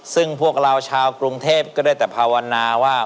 ซึ่งพวกเราชาวกรุงเทพก็ได้แต่ภาวนาว่า